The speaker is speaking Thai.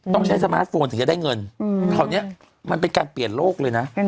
ต้องใช้สมาร์ทโฟนถึงจะได้เงินคราวนี้มันเป็นการเปลี่ยนโลกเลยนะ